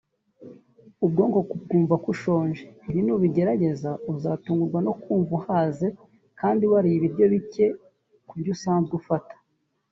ubwonko bwumva ko usoje ibi nubigerageza uzatungurwa no kumva ko uhaze kandi wariye ibiryo bike kubyo usanzwe ufata